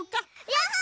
やった！